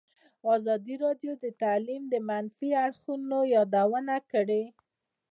ازادي راډیو د تعلیم د منفي اړخونو یادونه کړې.